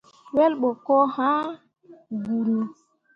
Wel ɓo ko ah guuni.